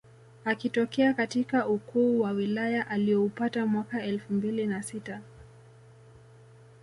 Akitokea katika ukuu wa wilaya alioupata mwaka elfu mbili na sita